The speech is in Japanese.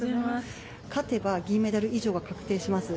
勝てば銀メダル以上が確定します。